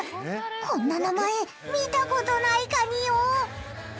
こんな名前見たことないかによ。